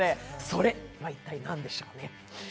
「それ」は一体何でしょうね。